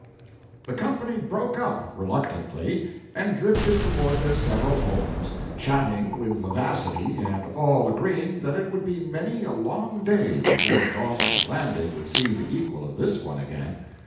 The company broke up reluctantly, and drifted toward their several homes, chatting with vivacity, and all agreeing that it would be many a long day before Dawson's Landing would see the equal of this one again.